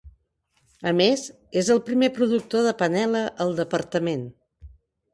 A més, és el primer productor de panela al departament.